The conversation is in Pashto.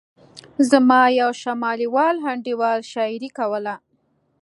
زما یو شمالي وال انډیوال شاعري کوله.